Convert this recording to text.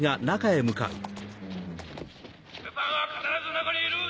ルパンは必ず中にいる！